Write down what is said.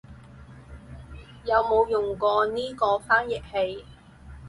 有冇用過呢個翻譯器